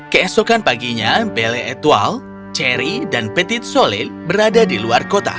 keesokan paginya belle etoile cherry dan petit solil berada di luar kota